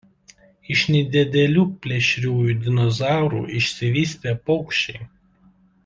Iš nedidelių plėšriųjų dinozaurų išsivystė paukščiai.